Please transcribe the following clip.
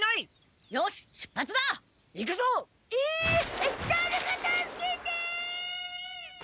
えっだれか助けて！